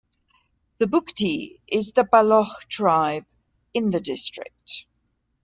The Bugti is the Baloch tribe in the district.